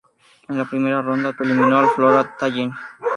En la primera ronda, eliminó al Flora Tallin.